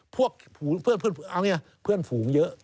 พวกเพื่อนเอาไงเพื่อนฝูงเยอะ